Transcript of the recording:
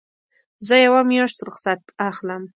زه یوه میاشت رخصت اخلم.